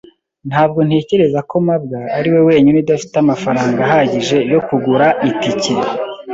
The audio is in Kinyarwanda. Ntabwo ntekereza ko mabwa ariwe wenyine udafite amafaranga ahagije yo kugura itike.